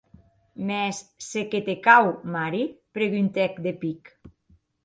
Mès, se qué te cau, Mary?, preguntèc de pic.